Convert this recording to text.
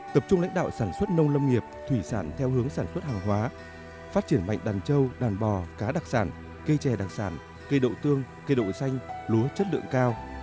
tập trung lãnh đạo sản xuất nông lâm nghiệp thủy sản theo hướng sản xuất hàng hóa phát triển mạnh đàn trâu đàn bò cá đặc sản cây chè đặc sản cây đậu tương cây đậu xanh lúa chất lượng cao